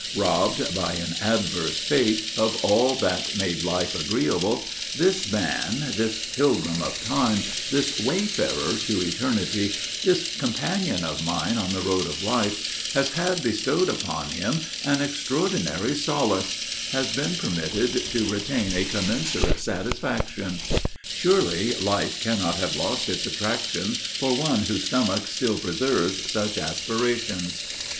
Robbed, by an adverse fate, of all that made life agreeable, this man, this pilgrim of time, this wayfarer to eternity, this companion of mine on the road of life, has had bestowed upon him an extraordinary solace, has been permitted to retain a commensurate satisfaction. Surely, life cannot have lost its attractions for one whose stomach still preserves such aspirations."